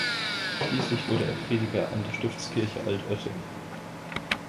Schließlich wurde er Prediger an der Stiftskirche Altötting.